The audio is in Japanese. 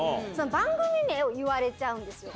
番組名を言われちゃうんですよ。